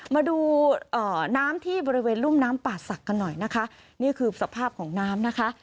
มาดูน้ำที่บริเวณรุ่มน้ำป่าศักดิ์กันหน่อยนะคะนี่คือสภาพของน้ำนะคะ